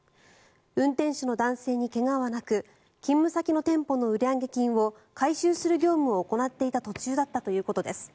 運転手の男性に怪我はなく勤務先の店舗の売上金を回収する業務を行っていた途中だったということです。